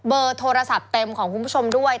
เบอร์โทรศัพท์เต็มของคุณผู้ชมด้วย